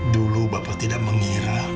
dulu bapak tidak mengira